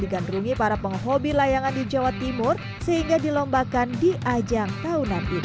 digandrungi para penghobi layangan di jawa timur sehingga dilombakan di ajang tahun nanti